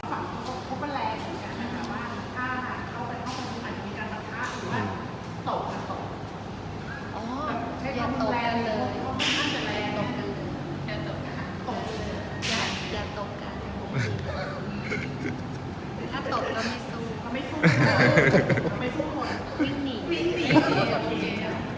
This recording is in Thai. ขอบคุณครับ